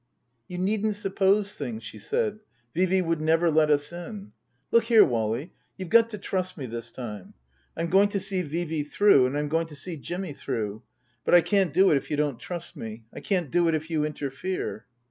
" You needn't suppose things," she said. " Vee Vee would never let us in. Look here, Wally you've got to trust me this time. I'm going to see Vee Vee through, and I'm going to see Jimmy through ; but I can't do it if you don't trust me. I can't do it if you interfere."